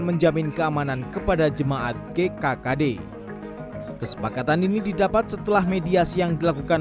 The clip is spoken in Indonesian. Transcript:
menjamin keamanan kepada jemaat gkkd kesepakatan ini didapat setelah mediasi yang dilakukan